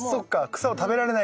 草を食べられないように。